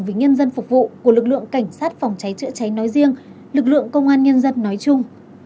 vì nhân dân phục vụ của lực lượng cảnh sát phòng cháy chữa cháy nói riêng lực lượng công an nhân dân nói chung